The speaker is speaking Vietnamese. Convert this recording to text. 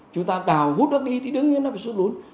chúng ta đào hút nước đi thì đương nhiên nó bị sụt lún